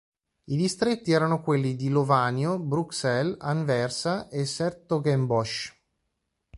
I distretti erano quelli di Lovanio, Bruxelles, Anversa e 's-Hertogenbosch.